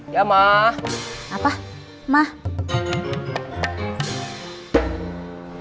ya udah kita pulang dulu aja